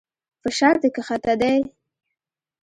فشار دې کښته دى.